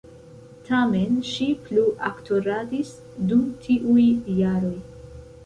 Tamen, ŝi plu aktoradis dum tiuj jaroj.